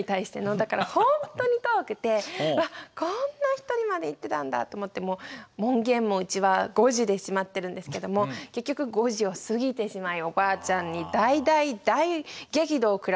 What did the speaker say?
だから本当に遠くてわっこんな一人で行ってたんだって思って門限もうちは５時で閉まってるんですけども結局５時を過ぎてしまいおばあちゃんに大大大激怒を食らって夕飯抜きでした。